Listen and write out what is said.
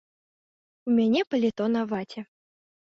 У мяне паліто на ваце.